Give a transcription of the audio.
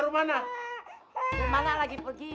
kemana lagi pergi